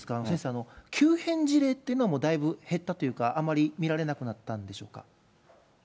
先生、急変事例っていうのは、もうだいぶ減ったというか、あまり見られなくなったんでしょうか？